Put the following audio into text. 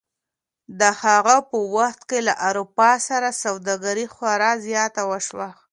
د هغه په وخت کې له اروپا سره سوداګري خورا زیاته شوه.